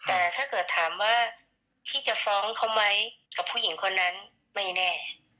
แต่ถ้าเกิดถามว่าพี่จะฟ้องเขาไหมกับผู้หญิงคนนั้นไม่แน่